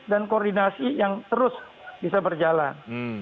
koordinasi yang terus bisa berjalan